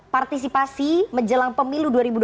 partisipasi menjelang pemilu dua ribu dua puluh